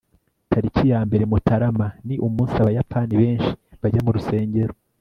tariki ya mbere mutarama ni umunsi abayapani benshi bajya mu rusengero